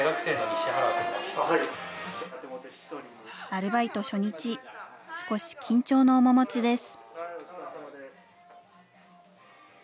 アルバイト初日、少し緊張の面持ちです。